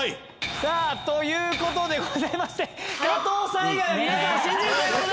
さあということでございまして加藤さん以外は皆さん信じるということで。